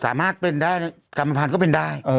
สามารถเป็นได้กรรมภัณฑ์ก็เป็นได้